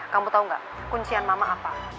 kamu tau gak kuncian mama apa